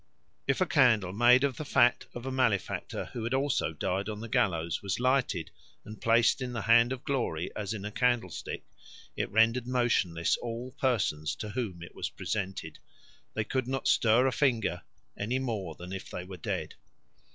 If a candle made of the fat of a malefactor who had also died on the gallows was lighted and placed in the Hand of Glory as in a candlestick, it rendered motionless all persons to whom it was presented; they could not stir a finger any more than if they were dead.